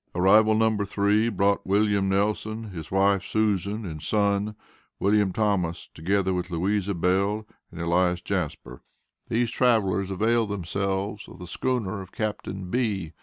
Arrival No. 3, brought William Nelson, his wife, Susan, and son, William Thomas, together with Louisa Bell, and Elias Jasper. These travelers availed themselves of the schooner of Captain B.